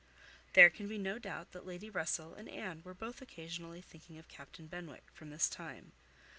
There can be no doubt that Lady Russell and Anne were both occasionally thinking of Captain Benwick, from this time.